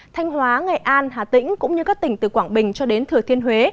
thanh hóa nghệ an hà tĩnh cũng như các tỉnh từ quảng bình cho đến thừa thiên huế